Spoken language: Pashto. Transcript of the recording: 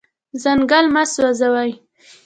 ځنګل مه سوځوئ.